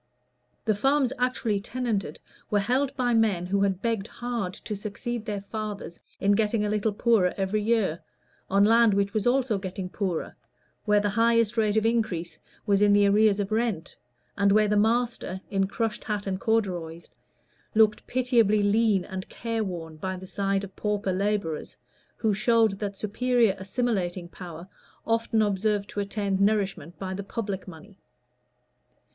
The farms actually tenanted were held by men who had begged hard to succeed their fathers in getting a little poorer every year, on land which was also getting poorer, where the highest rate of increase was in the arrears of rent, and where the master, in crushed hat and corduroys, looked pitiably lean and care worn by the side of pauper laborers, who showed that superior assimilating power often observed to attend nourishment by the public money.